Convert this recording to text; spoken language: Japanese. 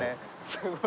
すごい。